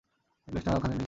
নেকলেসটা ওখানে নেই!